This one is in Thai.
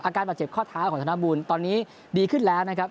อาการบาดเจ็บข้อเท้าของธนบูลตอนนี้ดีขึ้นแล้วนะครับ